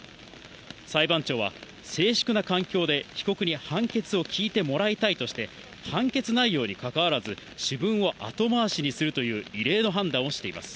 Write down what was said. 裁判長は静粛な環境で被告に判決を聞いてもらいたいとして、判決内容にかかわらず主文を後回しにするという異例の判断をしています。